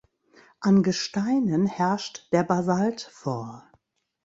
An Gesteinen herrscht der Basalt vor.